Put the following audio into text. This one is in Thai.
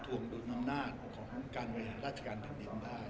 ถวงดุลธรรมนาฏของการบริหารราชการประเทศได้